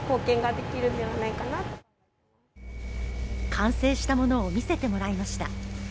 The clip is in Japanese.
完成したものを見せてもらいました。